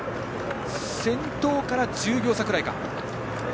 先頭から１０秒差くらいか。